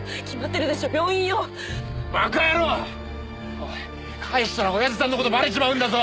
おい帰したらおやじさんの事バレちまうんだぞ。